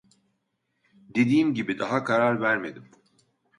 Dediğim gibi daha karar vermedim